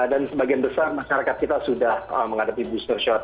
dan sebagian besar masyarakat kita sudah menghadapi booster shot